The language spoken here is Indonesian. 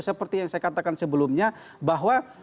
seperti yang saya katakan sebelumnya bahwa